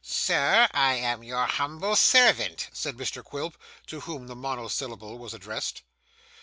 'Sir, I am your humble servant,' said Mr Quilp, to whom the monosyllable was addressed.